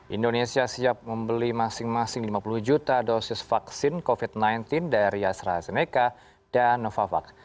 indonesia siap membeli masing masing lima puluh juta dosis vaksin covid sembilan belas dari astrazeneca dan novavax